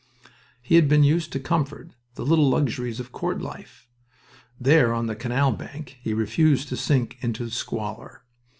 He had been used to comfort, the little luxuries of court life. There, on the canal bank, he refused to sink into the squalor.